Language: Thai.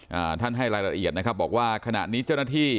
อ่าท่านให้รายละเอียดนะครับบอกว่าขณะนี้เจ้าหน้าที่